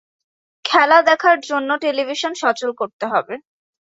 খেলা দেখার জন্য টেলিভিশন সচল করতে হবে।